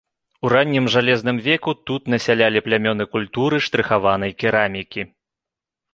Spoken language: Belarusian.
У раннім жалезным веку тут насялялі плямёны культуры штрыхаванай керамікі.